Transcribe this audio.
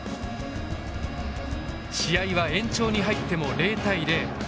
試合は延長に入っても０対０。